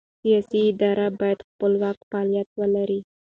سیاسي ادارې باید خپلواک فعالیت ولري